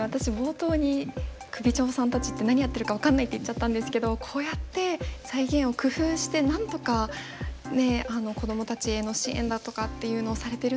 私冒頭に首長さんたちって何やってるか分かんないって言っちゃったんですけどこうやって財源を工夫してなんとか子どもたちへの支援だとかっていうのをされてるんだなって。